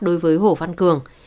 đối với hồ văn cường